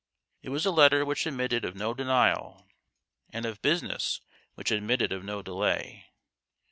It was a letter which admitted of no denial, and of business which admitted of no delay.